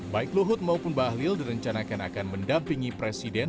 baik luhut maupun bahlil direncanakan akan mendampingi presiden